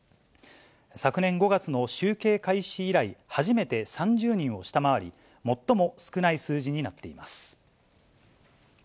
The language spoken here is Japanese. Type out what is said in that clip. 昨年５月の集計開始以来、初めて３０人を下回り、最も少ない数字になっています。